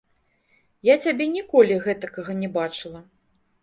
Я цябе ніколі гэтакага не бачыла.